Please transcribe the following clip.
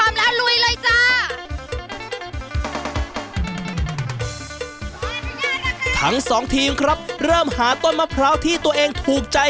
มาทำหาต้นมะพร้าวที่ตัวเองถูกใจ